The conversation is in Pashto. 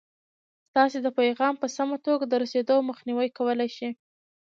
ستاسې د پیغام په سمه توګه د رسېدو مخنیوی کولای شي.